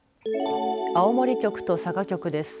青森局と佐賀局です。